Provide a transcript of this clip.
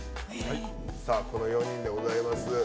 この４人でございます。